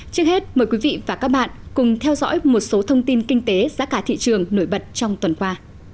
trước hết mời quý vị và các bạn cùng theo dõi một số thông tin kinh tế giá cả thị trường nổi bật trong tuần qua